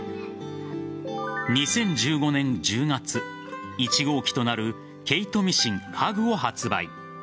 ２０１５年１０月１号機となる毛糸ミシンＨｕｇを発売。